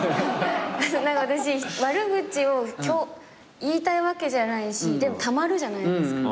私悪口を言いたいわけじゃないしでもたまるじゃないですか。